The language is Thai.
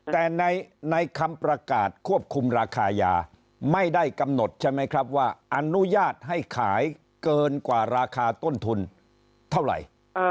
แต่ในคำประกาศควบคุมราคายาไม่ได้กำหนดใช่ไหมครับว่าอนุญาตให้ขายเกินกว่าราคาต้นทุนเท่าไหร่